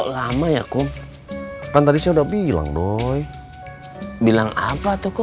baik begitu asah untuk apa dapat ikut